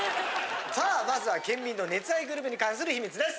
さあまずは県民の熱愛グルメに関する秘密です。